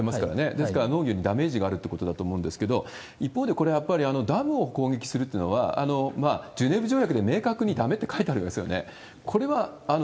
ですから、農業にダメージがあるということだと思うんですけれども、一方でこれはやっぱりダムを攻撃するというのは、ジュネーブ条約で明確にだめって書いていますよね。